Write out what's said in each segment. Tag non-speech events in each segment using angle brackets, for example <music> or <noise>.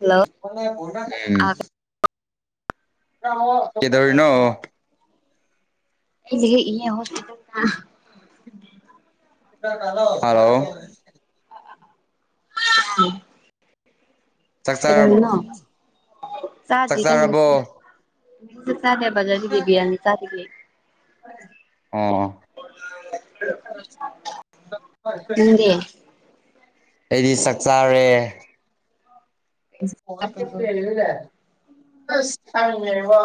hello ꯀꯩꯗꯧꯔꯤꯅꯣ ꯑꯩꯅ ꯂꯦꯛ ꯏꯅꯤ ꯍꯣꯁꯄꯤꯇꯥꯜꯗ ꯍꯜꯂꯣ <unintelligible> ꯆꯥꯛ ꯆꯥꯔ ꯀꯩꯗꯧꯔꯤꯅꯣ ꯆꯥꯛ ꯆꯥꯗꯔꯤꯗ ꯉꯥꯁꯤ ꯆꯥꯔꯕꯣ ꯌꯨꯝꯗ ꯆꯥꯅꯤꯕ ꯑꯗꯨꯒꯤ ꯕ꯭ꯔꯤꯌꯥꯅꯤ ꯆꯥꯕꯒꯤꯖꯦ ꯍꯣꯏ ꯑꯣ ꯅꯪꯗꯤ ꯑꯩꯗꯤ ꯆꯥꯛ ꯆꯥꯔꯦ ꯑꯣ <unintelligible> ꯑꯁ ꯈꯪꯗꯦꯕꯥ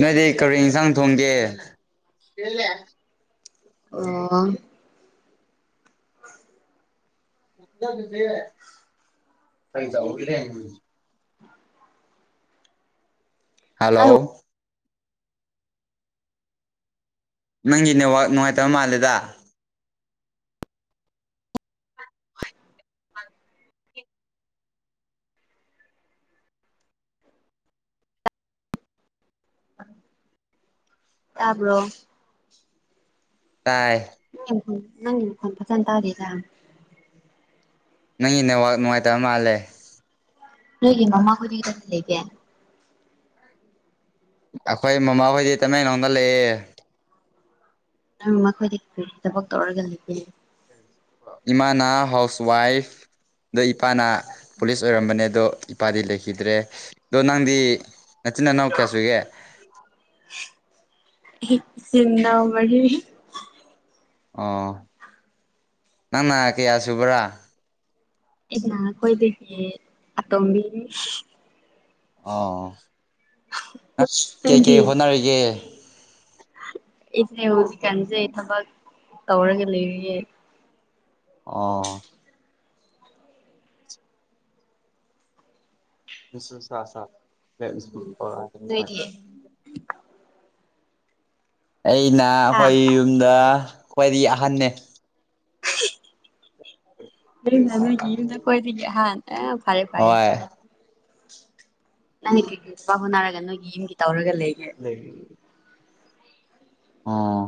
ꯅꯣꯏꯗꯤ ꯀꯔꯤ ꯏꯟꯁꯥꯡ ꯊꯣꯡꯒꯦ <unintelligible> ꯑꯣ <inaudible> ꯍꯦꯟꯖꯥꯡꯗꯨꯗꯤ ꯑꯩꯅ ꯇꯧꯕꯒꯤꯅꯦ ꯅꯪ ꯍꯜꯂꯣ ꯅꯪꯒꯤ ꯅꯦꯠꯋꯥꯛ ꯅꯨꯡꯉꯥꯏꯇꯕ ꯃꯥꯜꯂꯦꯗꯥ ꯇꯥꯕ꯭ꯔꯣ ꯇꯥꯏ ꯅꯪꯒꯤ ꯃꯈꯣꯟ ꯅꯪꯒꯤ ꯃꯈꯣꯟ ꯐꯖꯅ ꯇꯥꯗꯦꯗꯥ ꯅꯪꯒꯤ ꯅꯦꯋꯥꯛ ꯅꯨꯡꯉꯥꯏꯇꯕ ꯃꯥꯜꯂꯦ ꯅꯣꯏꯒꯤ ꯃꯃꯥ ꯈꯣꯏꯗꯤ ꯀꯗꯥꯢꯗ ꯂꯩꯒꯦ ꯑꯈꯣꯏ ꯃꯃꯥꯍꯣꯏꯗꯤ ꯇꯃꯦꯡꯂꯣꯡꯗ ꯂꯩꯑꯦ ꯅꯣꯏ ꯃꯃꯥꯈꯣꯏꯗꯤ ꯀꯔꯤ ꯊꯕꯛ ꯇꯧꯔꯒ ꯂꯩꯒꯦ ꯏꯃꯥꯥꯅ ꯍꯥꯎꯁ ꯋꯥꯏꯐ ꯑꯗꯣ ꯏꯄꯥꯅ ꯄꯨꯂꯤꯁ ꯑꯣꯏꯔꯝꯕꯅꯦ ꯑꯗꯣ ꯏꯄꯥꯗꯤ ꯂꯩꯈꯤꯗ꯭ꯔꯦ ꯑꯗꯣ ꯅꯪꯗꯤ ꯅꯆꯤꯟ ꯅꯅꯥꯎ ꯀꯌꯥ ꯁꯨꯒꯦ ꯏꯆꯤꯟ ꯅꯥꯎ ꯃꯔꯤ ꯑꯣ ꯅꯪꯅꯥ ꯀꯌꯥꯁꯨꯕꯔꯥ ꯑꯩꯅꯥ ꯈ꯭ꯋꯥꯏꯗꯒꯤ ꯑꯇꯣꯝꯕꯤꯅꯤ ꯑꯣ ꯑꯁ ꯀꯦꯀꯦ ꯅꯪꯗꯤ ꯍꯣꯠꯅꯔꯤꯒꯦ ꯑꯩꯁꯦ ꯍꯧꯖꯤꯛꯀꯥꯟꯖꯦ ꯊꯕꯛ ꯇꯧꯔꯒ ꯂꯩꯔꯤꯌꯦ ꯑꯣ <unintelligible> ꯅꯣꯏꯗꯤ ꯑꯩꯅ ꯍꯥ ꯑꯈꯣꯏ ꯌꯨꯝꯗ ꯈ꯭ꯋꯥꯏꯗꯒꯤ ꯑꯍꯟꯅꯦ <inaudible> ꯅꯪꯅ ꯅꯣꯏꯒꯤ ꯌꯨꯝꯗ ꯈ꯭ꯋꯥꯏꯗꯒꯤ ꯑꯍꯥꯥꯟ ꯑ ꯐꯌꯦ ꯐꯌꯦ ꯍꯣꯏ ꯅꯪꯗꯤ ꯀ꯭ꯔꯤ ꯀ꯭ꯔꯤ ꯊꯕꯛ ꯍꯣꯠꯅꯔꯒ ꯅꯣꯏꯒꯤ ꯌꯨꯝꯒꯤ ꯇꯧꯔꯒ ꯂꯩꯒꯦ ꯑꯣ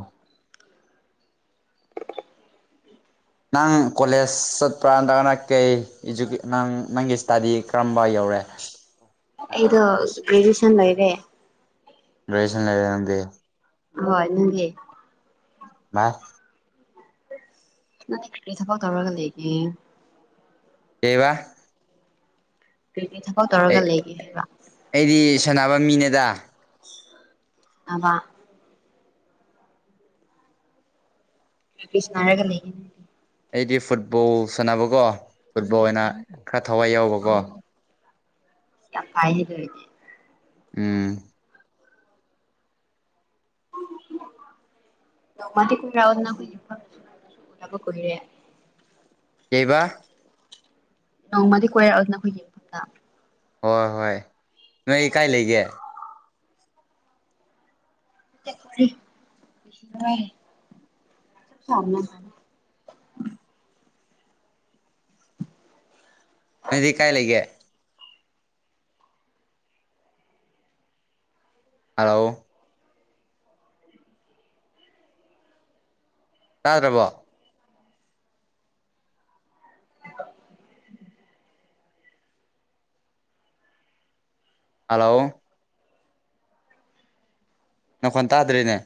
ꯅꯪ ꯀꯣꯂꯦꯖ ꯆꯠꯄ꯭ꯔꯥ ꯅꯠꯇ꯭ꯔꯒꯅ ꯀꯩ ꯏꯖꯨ ꯅꯪ ꯅꯪꯒꯤ ꯏꯁꯇꯥꯗꯤ ꯀꯔꯝꯕ ꯌꯧ ꯔꯦ ꯑꯩꯗꯣ ꯒ꯭ꯔꯦꯖꯨꯌꯦꯁꯟ ꯂꯣꯏꯔꯦ ꯒ꯭ꯔꯦꯖꯨꯌꯦꯁꯟ ꯂꯣꯏꯔꯦ ꯅꯪꯗꯤ ꯍꯣꯏ ꯅꯪꯗꯤ ꯃꯥ ꯅꯪꯗꯤ ꯀ꯭ꯔꯤ ꯊꯕꯛ ꯇꯧꯔꯒ ꯂꯩꯒꯦ ꯀꯩꯕꯥ ꯀꯔꯤ ꯀꯔꯤ ꯊꯕꯛ ꯑꯩ ꯇꯧꯔꯒ ꯂꯩꯒꯦ ꯍꯥꯏꯕ ꯑꯩꯗꯤ ꯁꯥꯟꯅꯕ ꯃꯤꯅꯦꯗꯥ ꯅꯕꯥ ꯀꯩ ꯀꯩ ꯁꯥꯅꯔꯒ ꯂꯩ ꯑꯩꯗꯤ ꯐꯨꯠꯕꯣꯜ ꯁꯥꯟꯅꯕꯀꯣ ꯐꯨꯠꯕꯣꯜ ꯑꯣꯏꯅ ꯈꯔ ꯊꯋꯥꯏ ꯌꯥꯎꯕꯀꯣ ꯌꯥꯝ ꯐꯩ ꯑꯗꯨ ꯑꯣꯏꯔꯗꯤ ꯎꯝ <inaudible> ꯅꯣꯡꯃꯗꯤ ꯀꯣꯢꯔꯛꯎꯗꯅ <unintelligible> ꯀꯩꯕꯥ ꯅꯣꯡꯃꯗꯤ ꯀꯣꯏꯔꯛꯎꯗꯅ ꯑꯩꯈꯣꯏꯒꯤ ꯌꯨꯝꯗ ꯍꯣꯏ ꯍꯣꯏ ꯅꯣꯏ ꯀꯥꯏ ꯂꯩꯒꯦ <inaudible> ꯊꯝꯃꯦ ꯅꯣꯏꯗꯤ ꯀꯥꯏ ꯂꯩꯒꯦ ꯑꯥꯎ ꯇꯥꯗ꯭ꯔꯥꯕꯣ ꯍꯥꯂꯣ ꯅꯈꯣꯟ ꯇꯥꯗ꯭ꯔꯦꯅꯦ